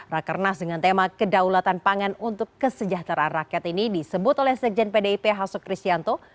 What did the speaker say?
rakernas dengan tema kedaulatan pangan untuk kesejahteraan rakyat ini disebut oleh sekjen pdip hasso kristianto